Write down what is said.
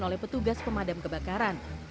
oleh petugas pemadam kebakaran